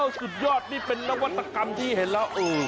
สุดยอดนี่เป็นนวัตกรรมที่เห็นแล้ว